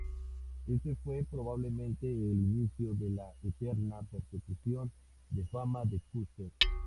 Éste fue probablemente el inicio de la eterna persecución de fama de Custer.